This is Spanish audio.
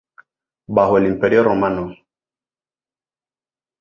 Bajo el Imperio Romano.